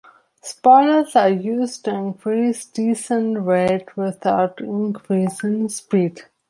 Spoilers are used to increase descent rate without increasing speed.